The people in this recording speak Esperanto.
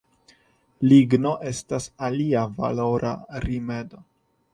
Ligno estas alia valora rimedo.